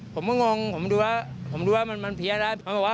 ผมก็งงผมดู้ว่ามันเพียงแล้ว